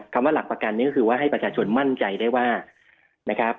คำว่าหลักประกันนี่คือให้ประชาชนมั่นใจได้ว่า